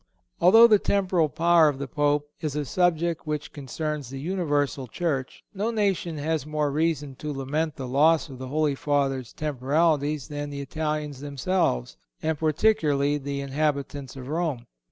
Although the temporal power of the Pope is a subject which concerns the universal Church, no nation has more reason to lament the loss of the Holy Father's temporalities than the Italians themselves, and particularly the inhabitants of Rome.